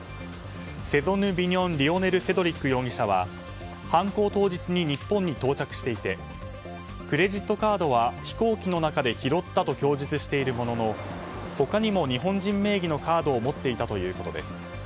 セゾヌ・ビニョン・リオネル・セドリック容疑者は犯行当日に日本に到着していてクレジットカードは飛行機の中で拾ったと供述しているものの他にも日本人名義のカードを持っていたということです。